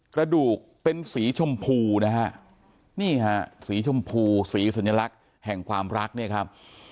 กระดูกเป็นสีชมพูนะฮะนี่ฮะสีชมพูสีสัญลักษณ์แห่งความรักเนี่ยครับ